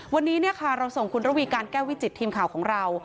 วันนี้เราส่งคุณระวีการแก้ววิจิตทีมข่าวของเรา